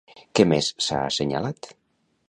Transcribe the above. Què més s'ha assenyalat?